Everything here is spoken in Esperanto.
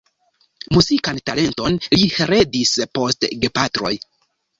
Muzikan talenton li heredis post gepatroj.